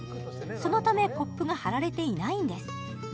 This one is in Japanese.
そのためポップが貼られていないんです